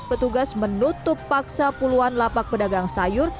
petugas menutup paksa puluhan lapak pedagang sayur